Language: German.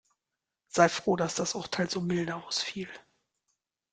Sei froh, dass das Urteil so milde ausfiel.